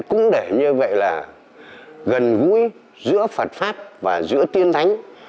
cũng để như vậy là gần gũi giữa phật pháp và giữa tiên thánh